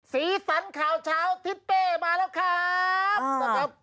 สีสันข่าวเช้าทิ้นเป้มาแล้วครับ